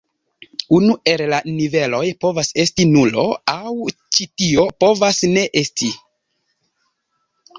Unu el la niveloj povas esti nulo, aŭ ĉi tio povas ne esti.